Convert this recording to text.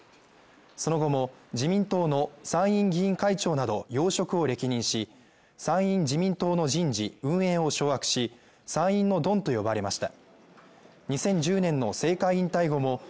その後も、自民党の参院議員会長など要職を歴任し、参院自民党の人事運営を掌握し、参院のドンと呼ばれました。